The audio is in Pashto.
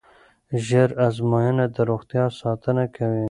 ژر ازموینه د روغتیا ساتنه کوي.